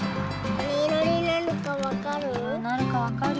なにいろになるかわかる？